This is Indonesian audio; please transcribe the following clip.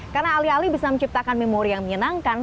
karena alih alih bisa menciptakan memori yang menyenangkan